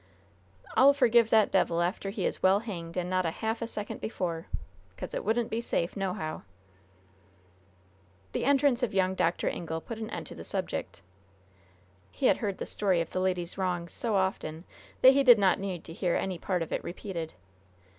"I'll forgive that devil after he is well hanged, and not a half a second before. 'Cause it wouldn't be safe, nohow." The entrance of young Dr. Ingle put an end to the subject. He had heard the story of the lady's wrongs so often that he did not need to hear any part of it repeated.